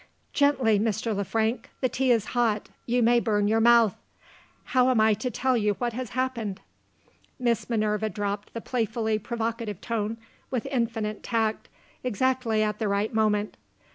"Gently, Mr. Le Frank! The tea is hot you may burn your mouth. How am I to tell you what has happened?" Miss Minerva dropped the playfully provocative tone, with infinite tact, exactly at the right moment.